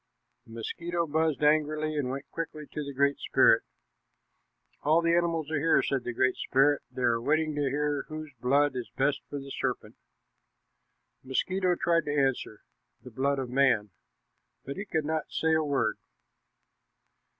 The mosquito buzzed angrily and went quickly to the Great Spirit. "All the animals are here," said the Great Spirit. "They are waiting to hear whose blood is best for the serpent." The mosquito tried to answer, "The blood of man," but he could not say a word.